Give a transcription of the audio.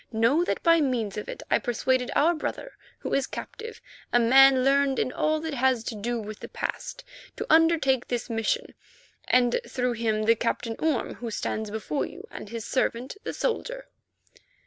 Know that by means of it I persuaded our brother who is captive, a man learned in all that has to do with the past, to undertake this mission, and through him the Captain Orme who stands before you, and his servant, the soldier."